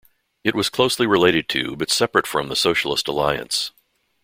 It was closely related to, but separate from the Socialist Alliance.